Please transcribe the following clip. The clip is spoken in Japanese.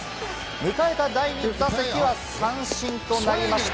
迎えた２打席目は三振となりました。